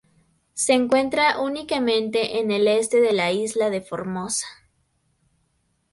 Se encuentra únicamente en el este de la isla de Formosa.